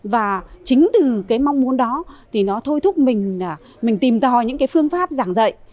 và chính từ cái mong muốn đó thì nó thôi thúc mình là mình tìm tòi những cái phương pháp giảng dạy